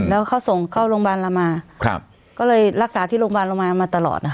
แล้วเขาส่งเข้าโรงพยาบาลเรามาก็เลยรักษาที่โรงพยาบาลเรามามาตลอดนะคะ